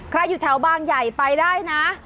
อยู่แถวบางใหญ่ไปได้นะ